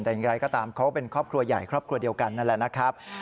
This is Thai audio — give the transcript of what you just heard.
แต่อย่างไรก็ตามเขาเป็นครอบครัวใหญ่ครอบครัวเดียวกันนั่นแหละนะครับ